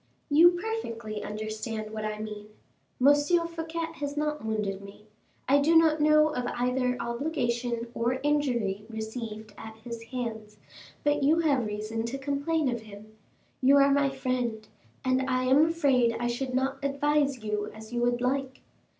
"You perfectly understand what I mean. M. Fouquet has not wounded me; I do not know of either obligation or injury received at his hands, but you have reason to complain of him. You are my friend, and I am afraid I should not advise you as you would like."